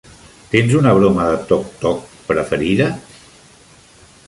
Tens una broma de toc-toc preferida?